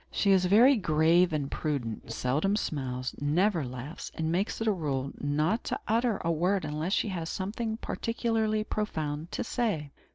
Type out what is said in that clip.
She is very grave and prudent, seldom smiles, never laughs, and makes it a rule not to utter a word unless she has something particularly profound to say.